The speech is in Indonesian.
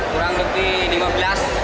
kurang lebih lima belas